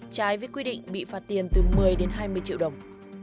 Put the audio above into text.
trái với quy định bị phạt tiền từ một mươi đến hai mươi triệu đồng